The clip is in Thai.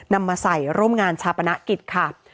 นำมาใส่ร่วมงานชาปนกิจค่ะ